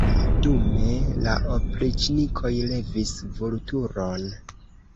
Dume la opriĉnikoj levis Vulturon.